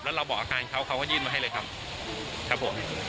แล้วเรากล่องประบดการณ์กิจเขาก็ยืนไว้ให้เลยครับ